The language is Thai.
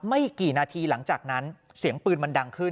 ไม่กี่นาทีหลังจากนั้นเสียงปืนมันดังขึ้น